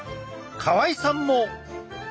河合さんも。